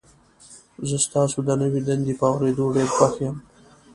زه ستاسو د نوي دندې په اوریدو ډیر خوښ یم.